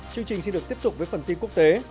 chương trình xin được tiếp tục với phần tin quốc tế